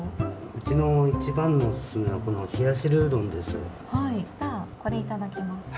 うちの一番のおすすめはこの冷汁うどんです。